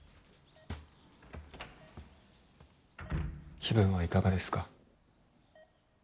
気分はいかがですか？